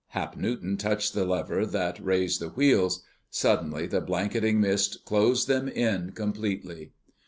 Hap Newton touched the lever that raised the wheels. Suddenly the blanketing mist closed them in completely.